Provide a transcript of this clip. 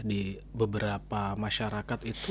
di beberapa masyarakat itu